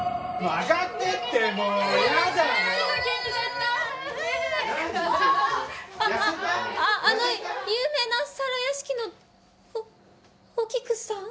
あああの有名な皿屋敷のおお菊さん？